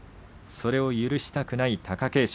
それを許したくない貴景勝。